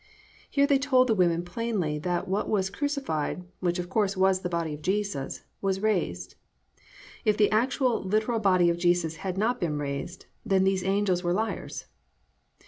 "+ Here they told the women plainly that what was crucified, which of course was the body of Jesus, was raised. If the actual, literal body of Jesus had not been raised, then these angels were liars.